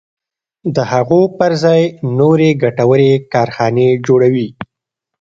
د هغو پر ځای نورې ګټورې کارخانې جوړوي.